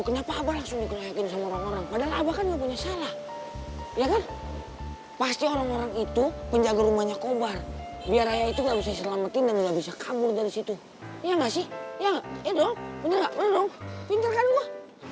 gue harus ngelakuin sesuatu yang bisa langsung mencegah ini semua makin parah